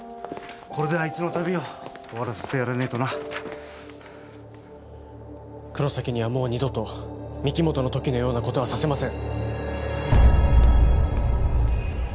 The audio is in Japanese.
これであいつの旅を終わらせてやらねえとな黒崎にはもう二度と御木本の時のようなことはさせません